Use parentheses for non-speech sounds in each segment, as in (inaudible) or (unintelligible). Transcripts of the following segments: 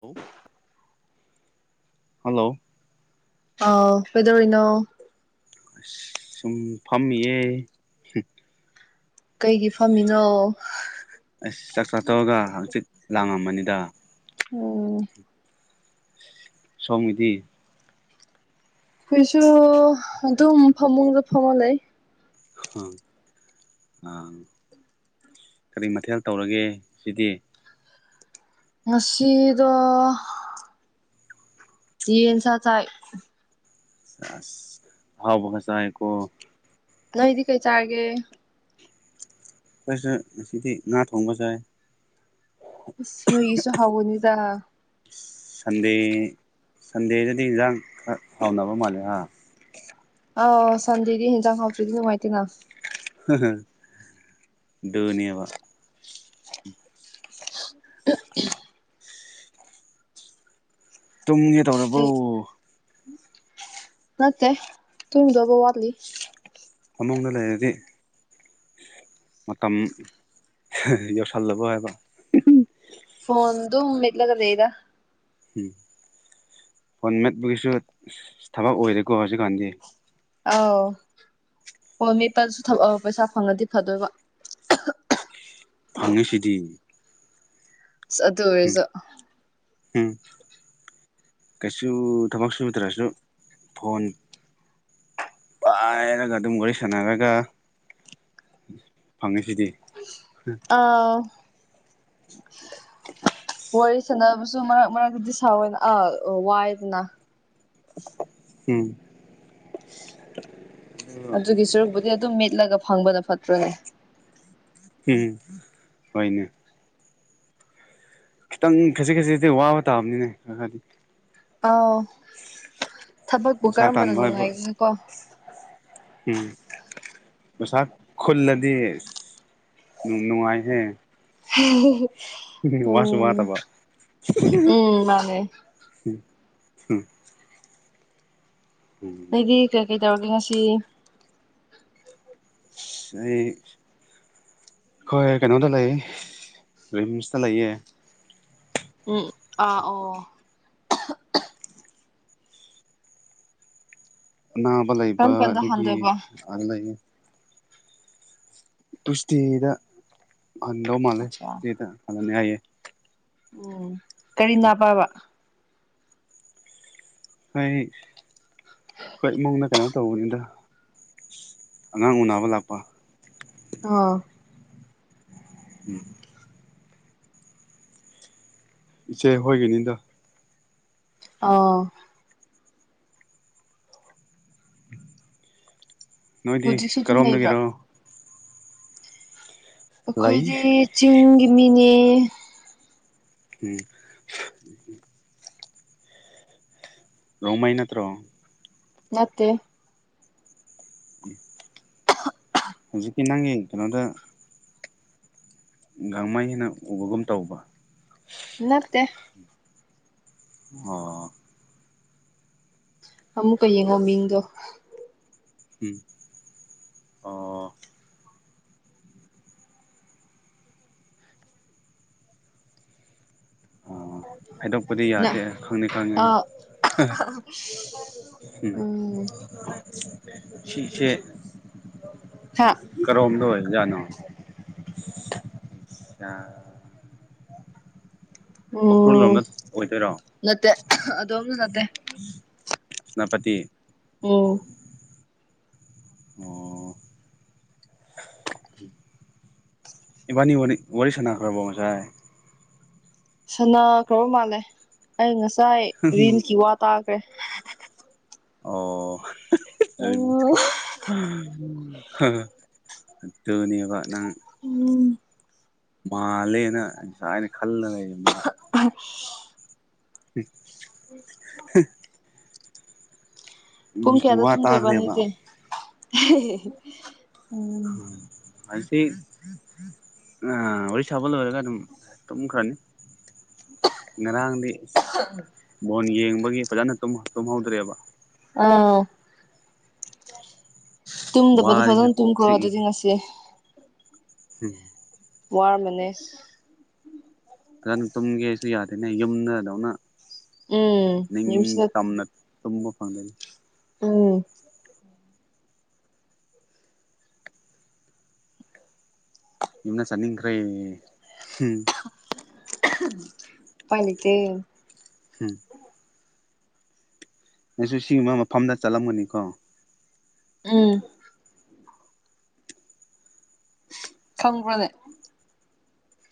ꯍꯧ ꯍꯜꯂꯣ ꯑꯣ ꯄꯦꯗꯧꯔꯤꯅꯣ ꯑꯁ ꯁꯨꯝ ꯐꯝꯃꯤꯌꯦ꯫ ꯀꯩꯒꯤ ꯐꯝꯃꯤꯅꯣ ꯑꯁ ꯆꯥꯛ ꯆꯥ ꯇꯧꯔꯒ ꯍꯪꯆꯤꯠ ꯂꯥꯡꯉꯝꯕꯅꯤꯗ ꯑꯣꯝ ꯁꯣꯃꯒꯤꯗꯤ꯫ ꯑꯩꯈꯣꯏꯁꯨ ꯑꯗꯨꯝ ꯐꯃꯨꯡꯗ ꯐꯝꯃ ꯂꯩ꯫ ꯑ ꯑꯥ ꯀꯔꯤ ꯃꯊꯦꯜ ꯇꯧꯔꯒꯦ ꯁꯤꯗꯤ꯫ ꯉꯁꯤꯁꯤꯗꯣ ꯌꯦꯟ ꯁꯥ ꯆꯥꯏ꯫ ꯑꯁꯥ ꯍꯥꯎꯕꯁ ꯀꯧ꯫ ꯅꯗꯤ ꯀꯩ ꯆꯥꯔꯒꯦ꯫ ꯑꯩꯈ‌ꯣꯏꯁꯨ ꯉꯁꯤꯗꯤ ꯉꯥ ꯊꯣꯡꯕ ꯆꯥꯏ꯫ ꯑꯁ ꯅꯣꯏꯒꯤꯁꯨ ꯍꯥꯎꯒꯅꯤꯗ ꯁꯟꯗꯦ ꯁꯟꯗꯦꯗꯗꯤ ꯏꯟꯖꯥꯡ ꯈ ꯍꯥꯎꯅꯕ ꯃꯥꯜꯂꯦ ꯍꯥ ꯑꯥꯎ ꯁꯟꯗꯦꯗꯤ ꯍꯦꯟꯖꯥꯡ ꯍꯥꯎꯇꯗꯤ ꯅꯨꯡꯉꯥꯏꯇꯦꯅ ꯑꯗꯨꯅꯤ ꯑꯗꯨꯅ‌ꯦꯕ ꯇꯨꯝꯒꯦ ꯇꯧꯔꯕꯣ ꯑꯩ ꯅꯠꯇꯦ ꯇꯨꯡꯗꯣꯕ ꯋꯥꯠꯂꯤ꯫ ꯐꯃꯨꯡꯗ ꯂꯩꯔꯗꯤ꯫ ꯃꯇꯝ ꯌꯧꯁꯜꯂꯕ ꯍꯥꯏꯕ ꯐꯣꯟ ꯗꯨꯝ ꯃꯦꯠꯂꯒ ꯂꯩꯗ ꯎꯝ ꯐꯣꯟ ꯃꯦꯠꯄꯨꯒꯤꯁꯨ ꯊꯕꯛ ꯑꯣꯏꯔꯦꯀꯣ ꯍꯧꯖꯤꯛꯀꯥꯟꯗꯤ꯫ ꯑꯥꯎ ꯍꯣꯏ ꯐ‌ꯣꯟꯄ‌ꯦꯄꯁꯤꯁꯨ ꯊꯕꯛ ꯑꯣ ꯄꯩꯁꯥ ꯐꯪꯉꯗꯤ ꯐꯗꯣꯏꯕ ꯐꯪꯉꯤꯁꯤꯗꯤ꯫ ꯑꯗꯨ ꯎꯝ ꯑꯣꯏꯔꯖꯨ ꯎꯝ ꯀꯩꯁꯨ ꯊꯕꯛ ꯁꯨꯠꯗꯔꯁꯨ ꯐꯣꯟ ꯄꯥꯏꯔꯒ ꯑꯗꯨꯝ ꯋꯥꯔꯤ ꯁꯥꯟꯅꯔꯒ ꯐꯪꯉꯤꯁꯤꯗꯤ꯫ ꯑꯣ (inaudible) ꯋꯥꯔꯤ ꯁꯥꯟꯅꯕꯁꯨ ꯃꯔꯛ ꯃꯔꯛꯇꯗꯤ ꯁꯑꯣꯏꯅ ꯑ ꯋꯥꯏꯗꯅ (inaudible) ꯎꯝ ꯑꯗꯨꯒꯤ ꯁꯔꯨꯛꯄꯨꯗꯤ ꯑꯗꯨꯝ ꯃꯦꯠꯂꯒ ꯐꯪꯕꯅ ꯐꯠꯇ꯭ꯔꯣꯅꯦ꯫ ꯎꯝ ꯍꯣꯏꯅꯦ꯫ ꯈꯤꯇꯪ ꯈꯖꯤꯛ ꯈꯖꯤꯗꯤ ꯋꯥꯕ ꯇꯥꯕꯅꯤꯅꯦ ꯈ ꯈꯗꯤ꯫ ꯑꯥꯎ ꯊꯕꯛꯄꯨ ꯄꯩꯁꯥ ꯀꯔꯝꯕꯅ ꯇꯥꯟꯕ ꯍꯥꯏꯕ ꯅꯨꯡꯉꯥꯏꯒꯅꯤꯀꯣ ꯎꯝ ꯄꯁꯥ ꯈꯨꯜꯂꯗꯤ ꯅꯨꯡꯉꯥꯏꯍꯦ꯫ ꯋꯥꯁꯨ ꯎꯝ ꯋꯥꯗꯕ ꯎꯝ ꯃꯥꯅꯦ꯫ ꯎꯝ ꯎꯝ ꯑꯩꯗꯤ ꯀꯩ ꯀꯩ ꯇꯧꯔꯒꯦ ꯉꯁꯤ ꯑꯩ ꯑꯩꯈꯣꯏ ꯀꯩꯅꯣꯗ ꯂꯩ ꯔꯤꯝꯁꯇ ꯂꯩꯌꯦ꯫ ꯎꯝ ꯑ ꯑꯣ ꯑꯅꯥꯕ ꯂꯩꯕ ꯀꯔꯝ ꯀꯥꯟꯗ ꯑꯗꯨꯒꯤ ꯍꯟꯗꯣꯏꯕ ꯃꯄꯥꯟ ꯂꯩꯌꯦ ꯇꯨꯁꯇꯦꯗ ꯍꯟꯗꯣ ꯃꯥꯂꯦ ꯑꯆꯥ ꯇꯨꯁꯇꯦꯗ ꯍꯜꯂꯅꯤ ꯍꯥꯏꯌꯦ ꯎꯝ ꯀꯔꯤ ꯅꯥꯕꯥꯕ ꯑꯈꯣꯏ ꯑꯈꯣꯏ ꯏꯃꯨꯡꯗ ꯀꯩꯅꯣ ꯇꯧꯕꯅꯤꯗ ꯑꯉꯥꯡ ꯎꯅꯕ ꯂꯥꯛꯄ ꯑꯣ ꯎꯝ ꯏꯆꯦ ꯍꯣꯏꯒꯤꯅꯤꯗꯥ ꯑꯣ ꯅꯣꯏꯗꯤ ꯍꯧꯖꯤꯛꯁꯨ ꯑꯗꯨꯝ ꯂꯩꯕ꯭ꯔꯥ ꯀꯔꯣꯝꯗꯒꯤꯔꯣ ꯑꯩꯈꯣꯏꯗꯤ ꯂꯩ ꯆꯤꯡꯒꯤ ꯃꯤꯅꯦ ꯎꯝ ꯔꯣꯡꯃꯩ ꯅꯠꯇ꯭ꯔꯣ ꯅꯠꯇꯦ (inaudible) ꯍꯧꯖꯤꯛꯀꯤ ꯅꯪꯒꯤ ꯀꯩꯅꯣꯗ ꯒꯥꯡꯃꯩꯏꯅ ꯎꯕꯒꯨꯝ ꯇꯧꯕ ꯅꯠꯇꯦ ꯑꯣ ꯑꯃꯨꯛꯀ ꯌꯦꯡꯉꯣ ꯃꯤꯡꯗꯣ ꯎꯝ ꯑꯣ ꯑꯣ ꯑꯣ ꯍꯥꯏꯗꯣꯛꯄꯗꯤ ꯅ ꯌꯥꯗꯦ ꯈꯪꯗꯤ ꯈꯪꯉꯦ ꯑ ꯑꯥ ꯎꯝ ꯁꯤꯁꯦ (inaudible) ꯍꯥ ꯀꯔꯣꯝꯗ ꯑꯣꯏꯕꯖꯥꯠꯅꯣ ꯎꯈ꯭ꯨꯔꯜ ꯎꯝ ꯂꯣꯝꯗ ꯑꯣꯏꯗꯣꯏꯔꯣ ꯅꯠꯇꯦ ꯑꯗꯣꯝꯁꯨ ꯅꯠꯇꯦ ꯁꯦꯅꯥꯄꯇꯤ ꯑꯣ ꯑꯣ ꯏꯕꯥꯅꯤ ꯋꯥꯔꯤ ꯋꯥꯔꯤ ꯁꯥꯅꯈ꯭ꯔꯕꯣ ꯉꯁꯥꯏ ꯁꯅꯥ ꯈ꯭ꯔꯕ ꯃꯥꯜꯂꯦ ꯑꯩ ꯉꯁꯥꯏ ꯔꯤꯟꯀꯤ ꯋꯥ ꯇꯥꯈ꯭ꯔꯦ ꯑꯣ ꯍꯥ ꯍꯥ ꯑꯣ ꯔꯤꯝꯁꯀꯤ ꯍꯥ ꯍꯥ ꯑꯗꯨꯅꯦꯕ ꯅꯪ ꯎꯝ ꯃꯥꯜꯂꯦꯅ ꯉꯁꯥꯏꯅ ꯈꯜꯂ ꯂꯩꯕꯅꯤꯕ (unintelligible) (unintelligible) (inaudible) ꯄꯨꯡ ꯃ꯭ꯌꯨꯖꯤꯛꯀꯤ ꯀꯌꯥꯗ ꯋꯥ ꯇꯨꯝꯗꯣꯏꯕ ꯇꯥꯈ꯭ꯔꯦꯕ ꯅꯣꯢꯗꯤ (unintelligible) ꯑꯁꯤ ꯑ ꯋꯔꯤ ꯁꯥꯕ ꯂꯣꯏꯔꯒ ꯑꯗꯨꯝ ꯇꯨꯝꯈ꯭ꯔꯅꯤ ꯉꯔꯥꯡꯗꯤ ꯕꯣꯟ ꯌꯦꯡꯕꯒꯤ ꯐꯖꯅ ꯇꯨꯝ ꯇꯨꯝꯍꯧꯗ꯭ꯔꯦꯕ ꯑꯥꯎ ꯇꯨꯝꯗꯕꯗꯣ ꯋꯥꯔꯦꯍꯦ ꯐꯖꯅ ꯀꯣꯛ ꯇꯨꯝꯈ꯭ꯔꯣ ꯑꯗꯨꯗꯤ ꯉꯁꯤ ꯍꯝ ꯋꯥꯔꯝꯃꯅꯤ ꯐꯖꯅ ꯇꯨꯝꯒꯦ ꯁꯨ ꯌꯥꯗꯦꯅꯦ ꯌꯨꯝꯅꯥꯗꯧꯅ ꯎꯝ ꯌꯨꯝꯁꯤꯗ ꯅꯤꯡꯇꯝꯅ ꯇꯨꯝꯕ ꯐꯪꯗꯔꯤ ꯎꯝ ꯏꯝꯅ ꯆꯅꯤꯡꯈꯔꯦ ꯍꯝ ꯎꯄꯥꯏ ꯂꯩꯇꯦ ꯎꯝ ꯅꯁꯨ ꯁꯤꯒꯨꯝꯕ ꯃꯐꯝꯗ ꯆꯠꯂꯝꯒꯅꯤꯀꯣ ꯎꯝ ꯈꯪꯕꯔꫭꯅꯦ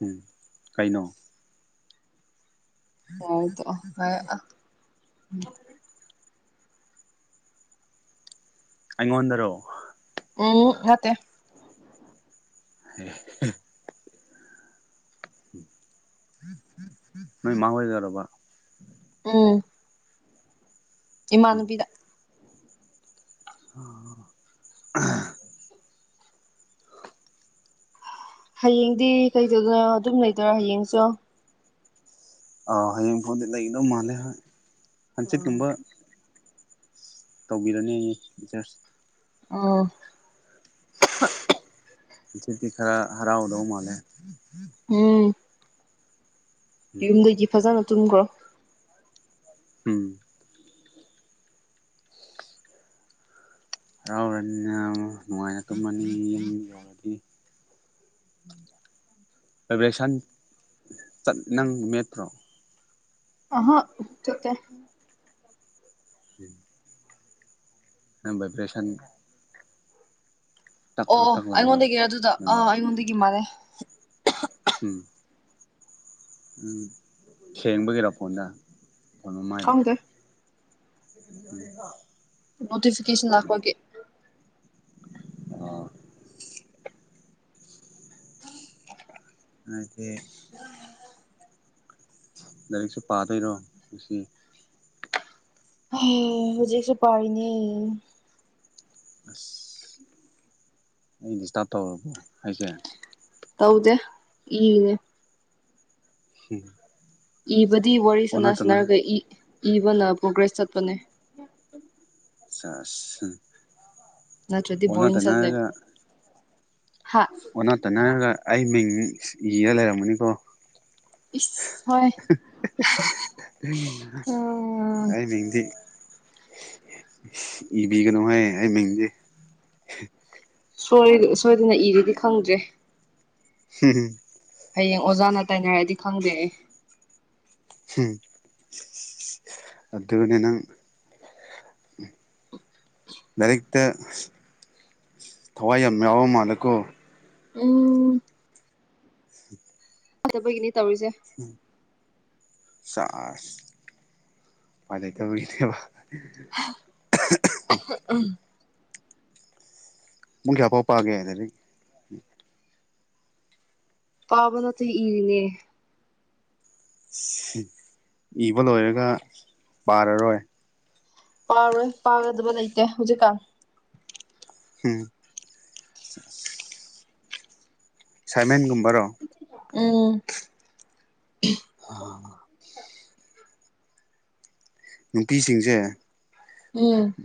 ꯎꯝ ꯀꯩꯅꯣ ꯌꯥꯔꯦ ꯇꫭꯛꯑꫭ ꯍꯥꯔꯦ ꯑꯦ ꯑꯩꯉꫭꯟꯗ꯭ꯔꯣ ꯎꯝ ꯅꯠꯇꯦ ꯑꯦ ꯍꯦ ꯍꯦ ꯅꯣꯏ ꯃꯥ ꯍꫭꯏꯗ꯭ꯔꯕ ꯎꯝ ꯎꯝ ꯏꯃꯥꯟꯅꯕꯤꯗ ꯑꯥ (inaudible) ꯍꯌꯦꯡꯗꯤ ꯀꯩꯗꯧꯗꯣꯏꯅꯣ ꯑꯗꯨꯝ ꯂꯩꯗꯣꯏꯔꯥ ꯍꯌꯦꯡꯁꯨ ꯑ ꯍꯌꯦꯡ ꯐꯥꯎꯗꯤ ꯂꯩꯒꯗꯧ ꯃꯥꯜꯂꯦ ꯍꯣꯏ ꯍꯪꯆꯤꯠꯀꯨꯝꯕ ꯑꯣ ꯇꯧꯕꯤꯔꯅꯦꯌꯦ ꯖꯔꯁ ꯑꯣ ꯍꯨꯖꯤꯛꯇꯤ ꯈꯔ ꯍꯔꯥꯎꯗꯧ ꯃꯥꯜꯂꯦ ꯎꯝ ꯌꯨꯝꯗꯒꯤ ꯐꯖꯅ ꯇꯨꯝꯒ꯭ꯔꯣ ꯎꯝ ꯍꯔꯥꯎꯔꯅꯤꯅ ꯅꯨꯡꯉꯥꯏꯅ ꯇꯨꯝꯃꯅꯤ ꯌꯨꯝ ꯌꯧꯔꯗꯤ ꯑꯕꯦꯁꯟ ꯆꯠ ꯅꯪ ꯃꯦꯠꯇ꯭ꯔꯣ, ꯑꯍꯥ ꯆꯠꯇꯦ (unintelligible) (unintelligible) ꯇꯛ ꯇꯛ ꯑꯣ ꯇꯛ ꯂꯥꯎꯅ ꯑꯩꯉꯣꯟꯗꯒꯤ ꯑꯗꯨꯗ ꯎꯝ ꯑꯥ ꯑꯩꯉꯣꯟꯗꯒꯤ ꯃꯥꯜꯂꯦ ꯎꯝ ꯎꯝ ꯊꯦꯡꯕꯒꯤꯔꯣ ꯐꯣꯟꯗ ꯐꯣꯟ ꯃꯃꯥꯏꯗ ꯈꯪꯗꯦ (unintelligible) ꯅꯣꯇꯤꯐꯤꯀꯦꯁꯟ ꯎꯝ ꯂꯥꯛꯄꯒꯤ ꯑꯣ (unintelligible) (unintelligible) ꯂꯥꯏꯔꯤꯛꯁꯨ ꯄꯥꯗꯣꯏꯔꯣ ꯉꯁꯤ ꯑꯍꯦ ꯍꯨꯖꯤꯛꯁꯨ ꯄꯥꯔꯤꯅꯦ ꯑꯁ ꯑꯩ ꯗꯤꯁꯇꯥꯔꯕ ꯇꯧꯔꯕꯣ ꯍꯥꯏꯁꯦ ꯇꯧꯗꯦ ꯏꯔꯤꯅꯦ (unintelligible) ꯏꯕꯗꯤ ꯋꯥꯔꯤ ꯁꯟꯅ ꯑꯣꯟꯅ ꯇꯩꯅ ꯁꯟꯅꯥꯔꯒ ꯏ ꯏꯕꯅ ꯄ꯭ꯔꯣꯒ꯭ꯔꯦꯁ ꯆꯠꯄꯅꯦ ꯁꯥꯁ ꯍ ꯅꯠꯇ꯭ꯔꯗꯤ ꯕꯣꯔꯤꯡ ꯆꯜꯂꯦ ꯍꯥ ꯑꯣꯟꯅ ꯇꯅꯔꯒ ꯑꯩ ꯃꯤꯡ ꯏꯔ ꯂꯩꯔꯝꯒꯅꯤꯀꯣ ꯏꯁ ꯍꯣꯏ ꯎꯝ ꯑꯩ ꯃꯤꯡꯗꯤ ꯏꯕꯤꯒꯅꯨꯍꯦ ꯑꯩ ꯃꯤꯡꯗꯤ ꯁꯣꯏꯔꯒ ꯁꯣꯏꯗꯅ ꯏꯒꯔꯗꯤ ꯈꯪꯗꯦ (unintelligible) ꯍꯌꯦꯡ ꯑꯣꯖꯥꯅ ꯇꯥꯏꯅꯔꯗꯤ ꯈꯪꯗꯦ ꯑꯩ ꯍꯝ ꯑꯗꯨꯗꯤ ꯅꯪ ꯂꯥꯏꯔꯤꯛꯇꯥ ꯊꯋꯥꯏ ꯌꯥꯝ ꯌꯥꯎꯔꯥ ꯃꯥꯜꯂꯦꯀꯣ ꯎꯝ (unintelligible) ꯇꯧꯔꯤꯁꯦ ꯁꯥꯁ ꯎꯄꯥꯏ ꯂꯩꯇꯕꯒꯤꯅꯦꯕ (unintelligible) (unintelligible) ꯄꯨꯡ ꯀꯌꯥꯐꯥꯎ ꯄꯥꯒꯦ ꯂꯥꯏꯔꯤꯛ ꯄꯥꯕ ꯅꯠꯇꯦ ꯏꯔꯤꯅꯦ ꯏꯕ ꯂꯣꯏꯔꯒ ꯄꯥꯔꯔꯣꯏ ꯄꯥꯔꯣꯏ ꯄꯥꯒꯗꯕ ꯂꯩꯇꯦ ꯍꯧꯖꯤꯛꯀꯥꯟ ꯍꯝ ꯁꯥꯏꯃꯦꯟꯒꯨꯝꯕꯔꯣ ꯎꯝ ꯑꯣ ꯅꯨꯄꯤꯁꯤꯡꯁꯦ ꯎꯝ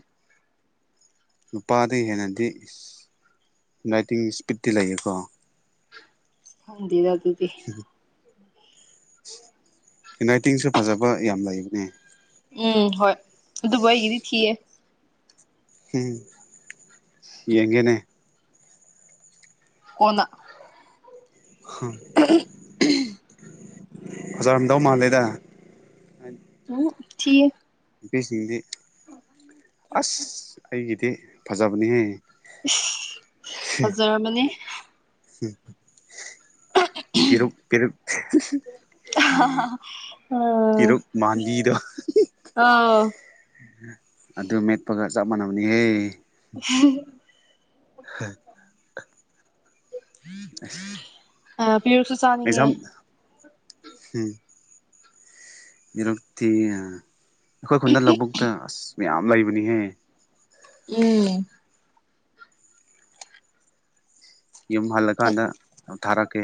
ꯅꯨꯄꯥꯗꯒꯤ ꯍꯦꯟꯅꯗꯤ ꯔꯥꯏꯇꯤꯡ ꯏꯁꯄꯤꯠꯇꯤ ꯂꯩꯌꯦꯀꯣ ꯈꯪꯗꯦꯗ ꯑꯗꯨꯗꯤ (unintelligible) ꯍꯦꯟꯔꯥꯏꯇꯤꯡꯁꯨ ꯐꯖꯕ ꯌꯥꯝ ꯂꯩꯕꯅꯦ ꯎꯝ ꯍꯣꯏ ꯑꯗꯨꯕꯨ ꯑꯩꯒꯤꯗꯤ ꯊꯤꯌꯦ ꯍꯝ ꯌꯦꯡꯒꯦꯅꯦ ꯀꯣꯟꯅ ꯐꯖꯥꯔꯝꯗꯧ ꯃꯥꯟꯗꯦꯗ ꯎꯝ ꯍꯛ ꯊꯤꯌꯦ ꯅꯨꯄꯤ ꯁꯤꯡꯗꯤ ꯑꯁ ꯑꯩꯒꯤꯗꯤ ꯐꯖꯕꯅꯦꯍꯦ ꯏꯁ ꯐꯖꯥꯔꯝꯃꯅꯤ ꯄꯤꯔꯨꯛ ꯄꯤꯔꯨꯛ ꯎꯝ ꯄꯤꯔꯨꯛ ꯃꯥꯟꯕꯤꯗꯣ ꯑꯥ ꯑꯗꯨ ꯃꯦꯠꯄꯒ ꯆꯞ ꯃꯥꯟꯅꯕꯅꯤꯍꯦ (unintelligible) (unintelligible) (inaudible) ꯑꯥ ꯄꯤꯔꯨꯛꯁꯨ ꯆꯥꯅꯤꯡꯉꯦ ꯍꯝ ꯄꯤꯔꯨꯛꯇꯤ ꯑꯩꯈꯣꯏ ꯈꯨꯟꯗ ꯂꯧꯕꯨꯛꯇꯥ ꯑꯁ ꯃꯌꯥꯝ ꯂꯩꯕꯅꯤꯍꯦ ꯎꯝ ꯌꯨꯝ ꯍꯜꯂꯀꯥꯟꯗ ꯊꯥꯔꯛꯀꯦ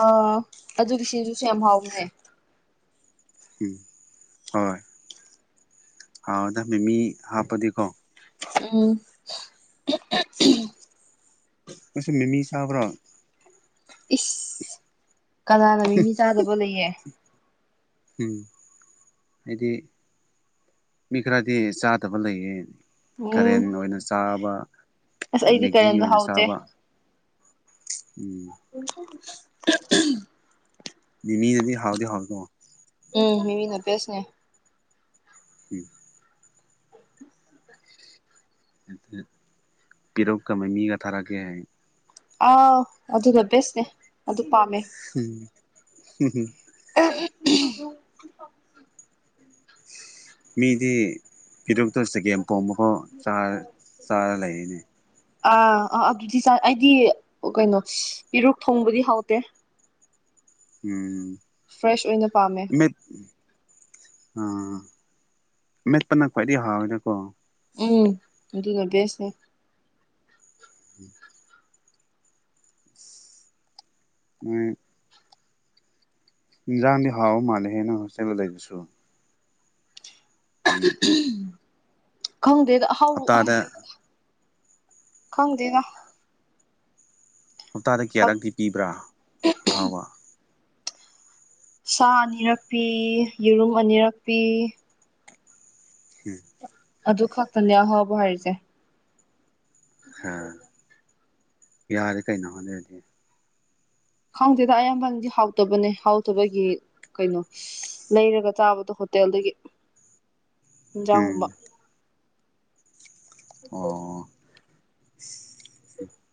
ꯑꯣ ꯑꯗꯨꯒꯤ ꯁꯤꯖꯨꯁꯨ ꯌꯥꯝ ꯍꯥꯎꯕꯅꯦ ꯎꯝ ꯍꯣꯏ ꯍꯥꯎꯔ ꯑꯗꯥ ꯃꯦꯃꯤ ꯍꯥꯞꯄꯗꯤꯀꯣ ꯎꯝ ꯅꯪꯁꯨ ꯃꯤꯃꯤ ꯆꯥꯕ꯭ꯔꯣ ꯏꯁ ꯀꯅꯥꯅ ꯃꯤ ꯃꯤ ꯆꯥꯗꯕ ꯂꯩꯌꯦ ꯎꯝ ꯍꯥꯏꯗꯤ ꯃꯤ ꯈꯔꯗꯤ ꯆꯥꯗꯕ ꯂꯩꯌꯦ ꯎꯝ ꯀꯔꯦꯟ ꯑꯣꯏꯅ ꯆꯥꯕ ꯑꯁ ꯑꯩꯗꯤ ꯃꯦꯒꯤ ꯀꯔꯟꯗꯣ ꯑꯣꯏꯅ ꯍꯥꯎꯇꯦ ꯆꯥꯕ ꯎꯝ ꯎ ꯃꯤꯗꯗꯤ ꯍꯥꯎꯗꯤ ꯍꯥꯎꯗꯣ ꯎꯝ ꯃꯤꯃꯤꯅꯕꯦꯁꯅꯦ ꯎꯝ ꯄꯤꯔꯛꯀꯃꯦ ꯃꯤꯒ ꯊꯥꯔꯛꯀꯦ ꯍꯥꯏ ꯑꯥꯎ ꯑꯗꯨꯗ ꯕꯦꯁꯅꯦ ꯑꯗꯨ ꯄꯥꯝꯃꯦ ꯍꯝ ꯍꯝꯝ (unintelligible) ꯃꯤꯗꯤ ꯐꯤꯗꯣꯛꯇ ꯆꯒꯦꯝ ꯄꯣꯝꯕꯐꯥꯎ ꯆꯥꯔ ꯂꯩꯔꯤꯅꯦ ꯑꯥ ꯑꯥ ꯑꯗꯨꯗꯤ ꯆ ꯑꯩꯗꯤ ꯀꯩꯅꯣ ꯄꯔꯨꯛ ꯊꯣꯡꯕꯗꯤ ꯍꯥꯎꯗꯦ ꯎꯝ ꯐ꯭ꯔꯦꯁ ꯑꯣꯏꯅ ꯄꯥꯝꯃꯦ ꯎ ꯑꯥ ꯃꯦꯠꯄꯅ ꯈ꯭ꯋꯥꯏꯗꯒꯤ ꯍꯥꯎꯋꯤꯅꯀꯣ ꯎꯝ ꯑꯗꯨꯅ ꯕꯦꯁꯅꯦ ꯎꯝ ꯑ ꯌꯥꯥꯥꯟꯗꯤ ꯍꯥꯎ ꯃꯥꯥꯟꯦ ꯍꯦꯅ ꯍꯣꯇꯦꯜ ꯂ ꯂꯩꯁꯨ ꯈꯪꯗꯦꯗ ꯍꯥꯎ ꯍꯞꯇꯥꯗ ꯪꯗꯦꯒ ꯍꯞꯇꯥꯗ ꯀꯌꯥꯔꯛꯇꯤ ꯄꯤꯕ꯭ꯔꯥ ꯑꯍꯥꯎꯕ ꯁꯥ ꯑꯅꯤꯔꯛꯄꯤ ꯌꯦꯔꯨꯝ ꯑꯅꯤꯔꯛꯄꯤ ꯍ ꯑꯗꯨ ꯈꯛꯇꯅꯤꯍꯣꯕ ꯍꯥꯏꯔꯤꯁꯦ ꯈ ꯌꯥꯔꯦ ꯀꯩꯅꯣ ꯍꯥꯏꯣꯅꯔꯗꯤ ꯈꯪꯗꯦꯗ ꯑꯌꯥꯝꯕꯅꯗꯤ ꯍꯥꯎꯇꯕꯅꯦ ꯍꯥꯎꯇꯕꯒꯤ ꯀꯩꯅꯣ ꯂꯩꯔꯒ ꯆꯥꯕꯗꯣ ꯍꯣꯇꯦꯜꯗꯒꯤ ꯎꯝ ꯍꯤꯟꯖꯥꯎꯒꯨꯝꯕ ꯑꯣ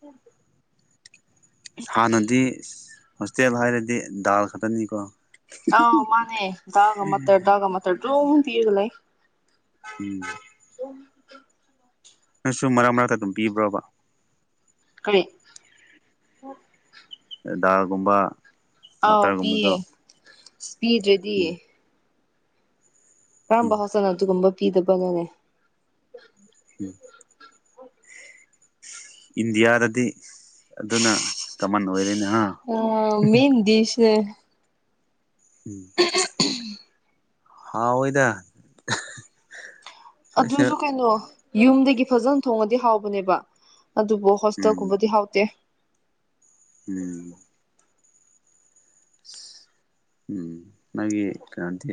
ꯎꯝ ꯍꯥꯟꯅꯗꯤ ꯍꯣꯁꯇꯦꯜ ꯍꯥꯏꯔꯗꯤ ꯗꯥꯜ ꯈꯛꯇꯅꯤꯀꯣ ꯑ ꯃꯥꯅꯦ ꯗꯗꯥꯒ ꯃꯇꯔ ꯗꯒ ꯃꯇꯔ ꯣꯗꯤꯒ ꯂꯩ ꯎꯝ ꯍ ꯅꯪꯁꯨ ꯃꯔꯛ ꯃꯔꯛꯇ ꯑꯗꯨꯝ ꯄꯤꯕ꯭ꯔꯣꯕ ꯀ ꯗꯥꯒꯨꯝꯕ ꯑꯥꯎ ꯄꯤꯌꯦ ꯑꯁ ꯄꯤꯗ꯭ꯔꯗꯤꯌꯦ ꯎꯝ ꯀꯔꯝꯕ ꯎꯝ ꯍꯆꯅ ꯑꯗꯨꯒꯨꯝꯕ ꯄꯤꯗꯕꯅꯣꯅꯦ ꯎꯝ ꯏꯟꯗꯤꯌꯥꯗꯗꯤ ꯑꯗꯨꯅ ꯀꯃꯟ ꯑꯣꯏꯔꯦꯅꯦ ꯍꯥ ꯑ ꯃꯟ ꯗꯤꯁ ꯎꯝ ꯎ ꯍꯥꯎꯑꯣꯣꯏꯗ ꯑꯗꯨꯁꯨ ꯀꯩꯅꯣ ꯌꯨꯝꯗꯒꯤ ꯐꯖꯅ ꯊꯣꯡꯉꯗꯤ ꯍꯥꯎꯕꯅꯦꯕ ꯑꯗꯨꯕꯨ ꯍꯣꯇ ꯎꯝ ꯎꯕꯗꯤ ꯍꯥꯎꯗ ꯎꯝ ꯎꯝ ꯃꯥꯦ ꯀꯥꯟꯗꯦ